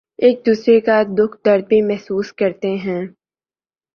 ایک دوسرے کا دکھ درد بھی محسوس کرتے ہیں